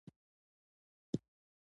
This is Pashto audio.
په ګلانو ښکلل سوې ناوکۍ